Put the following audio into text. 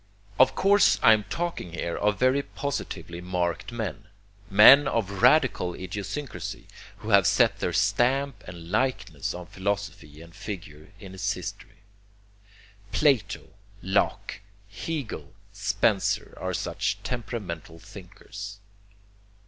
Of course I am talking here of very positively marked men, men of radical idiosyncracy, who have set their stamp and likeness on philosophy and figure in its history. Plato, Locke, Hegel, Spencer, are such temperamental thinkers.